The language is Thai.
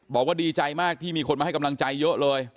บอกว่าดีใจมากที่มีคนมาให้กำลังใจเยอะเลย